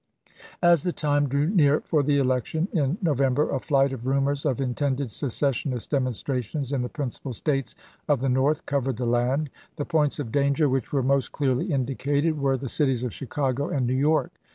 As the time drew near for the election in No vember a flight of rumors of intended secessionist demonstrations in the principal States of the North covered the land. The points of danger which were most clearly indicated were the cities of Chicago and New York.